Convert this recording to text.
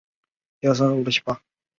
鲁瓦布瓦西。